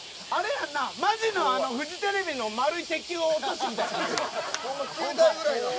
マジのあのフジテレビの丸い鉄球を落としたみたいな。